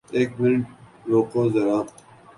ایک منٹ رکو زرا